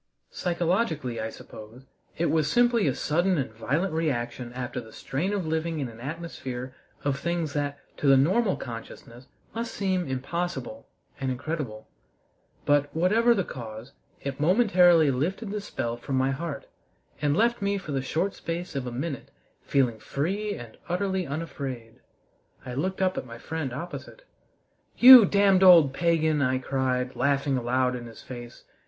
Psychologically, I suppose, it was simply a sudden and violent reaction after the strain of living in an atmosphere of things that to the normal consciousness must seem impossible and incredible. But, whatever the cause, it momentarily lifted the spell from my heart, and left me for the short space of a minute feeling free and utterly unafraid. I looked up at my friend opposite. "You damned old pagan!" I cried, laughing aloud in his face.